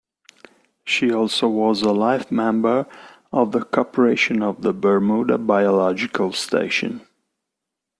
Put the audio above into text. She also was a Life Member of the Corporation of the Bermuda Biological Station.